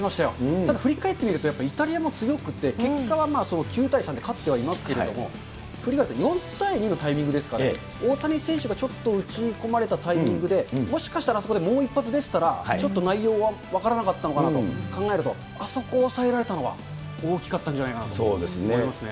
ただ振り返ってみると、やっぱりイタリアも強くて、結果は９対３で勝ってはいますけれども、振り返ると４対２のタイミングですからね、大谷選手がちょっと打ち込まれたタイミングで、もしかしたら、あそこでもう一発出てたら、ちょっと内容は分からなかったのかなと考えると、あそこを抑えられたのは大きかったんじゃないかなと思いますね。